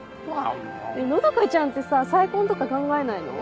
和佳ちゃんってさ再婚とか考えないの？